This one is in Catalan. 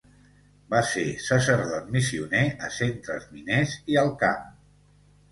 Va ser sacerdot missioner a centres miners i al camp.